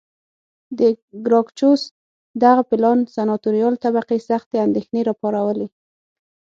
د ګراکچوس دغه پلان سناتوریال طبقې سختې اندېښنې را وپارولې